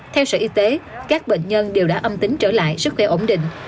theo sở y tế các bệnh nhân đều đã âm tính trở lại sức khỏe ổn định